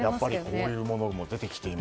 こういうものも出てきています。